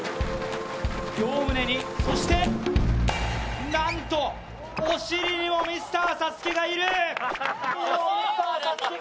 両胸に、そしてなんとお尻にもミスターＳＡＳＵＫＥがいる。